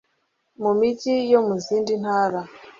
mu migi yo mu zindi ntara